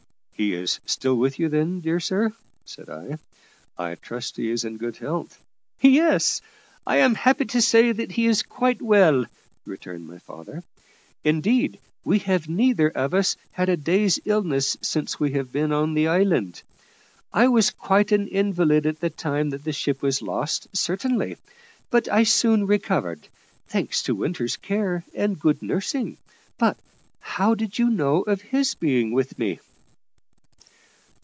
"He is still with you, then, dear sir?" said I. "I trust he is in good health." "Yes, I am happy to say he is quite well," returned my father. "Indeed, we have neither of us had a day's illness since we have been on the island. I was quite an invalid at the time that the ship was lost, certainly; but I soon recovered, thanks to Winter's care and good nursing. But how did you know of his being with me?"